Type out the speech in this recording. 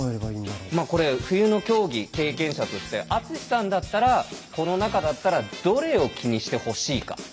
まあこれ冬の競技経験者として篤さんだったらこの中だったらどれを気にしてほしいか。